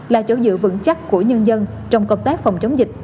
là chỗ dựa vững chắc của nhân dân trong công tác phòng chống dịch